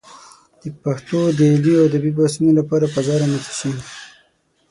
د پښتو د علمي او ادبي بحثونو لپاره فضا رامنځته شي.